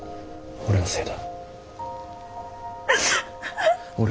俺のせいだ。